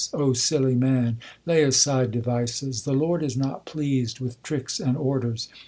O silly man, lay aside devices : The Lord is not pleased with tricks and orders.